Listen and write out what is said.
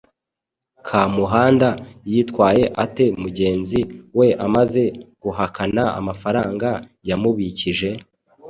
Kamuhanda yitwaye ate mugenzi we amaze guhakana amafaranga yamubikije?